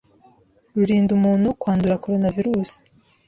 rurinda umuntu kwandura Coronavirus